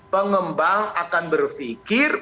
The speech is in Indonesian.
pengembang akan berpikir